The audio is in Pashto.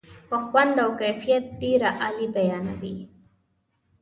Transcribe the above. په خوند و کیفیت ډېره عالي بیانوي.